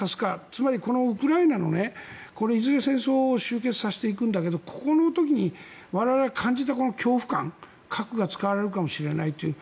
つまりこのウクライナの戦争はいずれ終結させていくんだけどこの時に我々が感じた恐怖感核が使われかもしれないという。